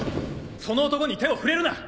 その男に手を触れるな！